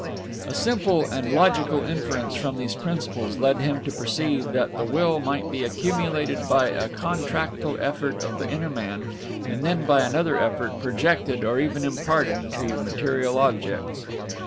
A simple and logical inference from these principles led him to perceive that the will might be accumulated by a contractile effort of the inner man, and then, by another effort, projected, or even imparted, to material objects.